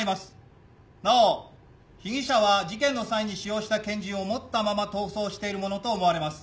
なお被疑者は事件の際に使用した拳銃を持ったまま逃走しているものと思われます。